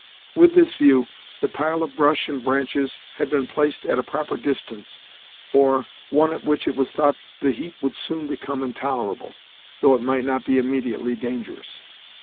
With this view, the pile of brush and branches had been placed at a proper distance, or, one at which it was thought the heat would soon become intolerable, though it might not be immediately dangerous.